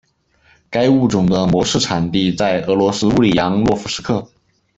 该物种的模式产地在俄罗斯乌里扬诺夫斯克。